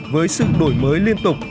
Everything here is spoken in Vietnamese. với sự đổi mới liên tục